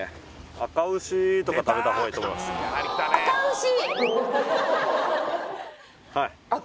あか牛とか食べた方がいいと思いますあか牛！